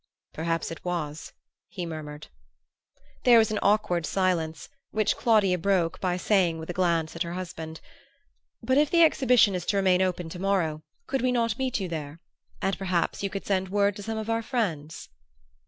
"Perhaps it was," he murmured. There was an awkward silence, which Claudia broke by saying, with a glance at her husband: "But if the exhibition is to remain open to morrow, could we not meet you there? And perhaps you could send word to some of our friends."